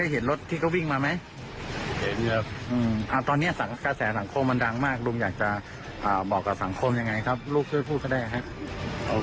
อ่ะตอนนี้กระแสสังคมมันดังมากลุงอยากจะบอกกับสังคมยังไงครับลูกเคยพูดเข้าได้ไหมครับ